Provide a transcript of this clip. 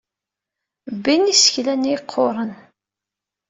Bbin isekla-nni yeqquren.